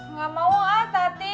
nggak mau ah tati